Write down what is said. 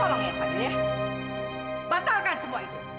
tolong ya fadil ya batalkan semua itu